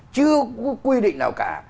chưa có quy định nào cả